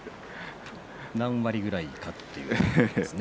何割ぐらいかということですね。